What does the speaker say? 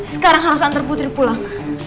sekarang harus antar putri pulang